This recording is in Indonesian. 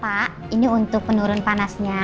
pak ini untuk penurun panasnya